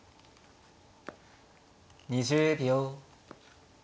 ２０秒。